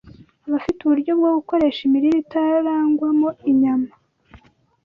Abafite uburyo bwo gukoresha imirire itarangwamo inyama